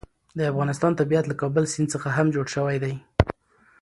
د افغانستان طبیعت له کابل سیند څخه هم جوړ شوی دی.